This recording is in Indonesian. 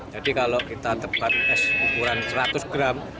jadi kalau kita terbaru es ukuran seratus gram